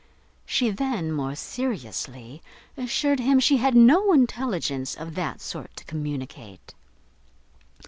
She then, more seriously, assured him she had no intelligence of that sort to communicate.